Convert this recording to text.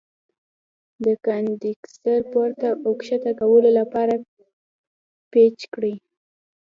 د کاندنسر پورته او ښکته کولو لپاره پیچ لري.